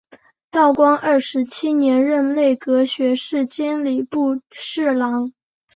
道光二十七年任内阁学士兼礼部侍郎。